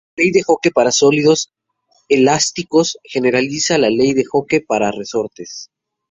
La ley de Hooke para sólidos elásticos generaliza la ley de Hooke para resortes.